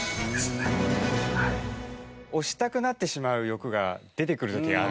押したくなってしまう欲が出てくる時がある。